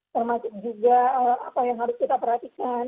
termasuk juga apa yang harus kita perhatikan